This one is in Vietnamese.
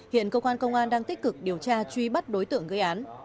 hiện công an công an đang tích cực điều tra truy bắt đối tượng gây án